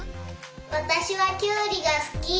わたしはきゅうりがすき。